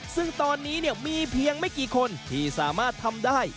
ซึ่งตอนนี้มีเพียงไม่กี่คนที่สามารถทำได้